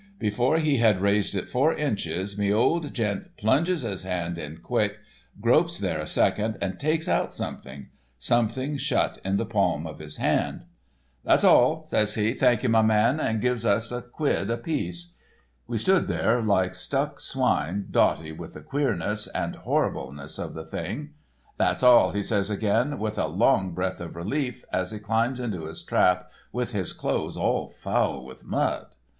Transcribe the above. Before he had raised it four inches me old gent plunges his hand in quick, gropes there a second and takes out something—something shut in the palm of his hand. "'That's all,' says he: 'Thank you, my man,' and gives us a quid apiece. We stood there like stuck swine, dotty with the queerness, the horribleness of the thing. "'That's all,' he says again, with a long breath of relief, as he climbs into his trap with his clothes all foul with mud.